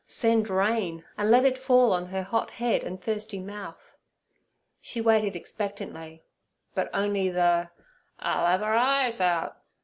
—send rain, and let it fall on her hot head and thirsty mouth. She waited expectantly, but only the 'I'll 'ave 'er eyes out!'